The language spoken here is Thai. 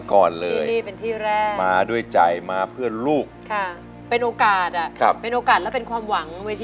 ๑กว่าหนึ่งเมื่นบาท